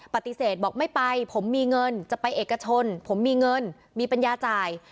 ปฏิเสธบอกไม่ไปผมมีเงินจะไปเอกชนผมมีเงินมีปัญญาจ่าย